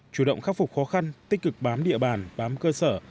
chủ động khắc phục khó khăn tích cực bám địa bàn bám cơ sở